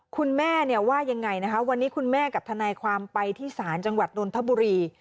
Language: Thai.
คุณแม่เนี่ยว่ายังไงนะคะวันนี้คุณแม่กับทนายความไปที่ศาลจังหวัดนนทบุรี